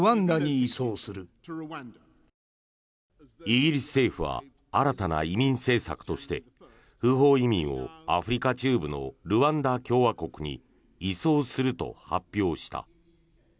イギリス政府は新たな移民政策として不法移民をアフリカ中部のルワンダ共和国に移送すると発表した。